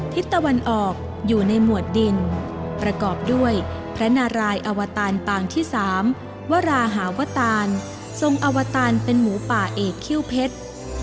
ทิศตะวันออกอยู่ในหมวดดินประกอบด้วยพระนารายอวตารปางที่๓วราหาวตานทรงอวตารเป็นหมูป่าเอกคิ้วเพชร